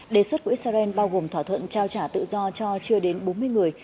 đề xuất của israel bao gồm thỏa thuận trao trả tự do cho chưa đến bốn mươi người